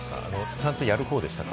ちゃんとやる方でしたか？